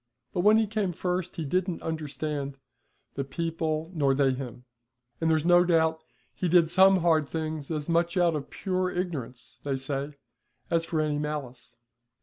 But when he came first he didn't understand the people nor they him, and there's no doubt he did some hard things as much out of pure ignorance, they say, as for any malice.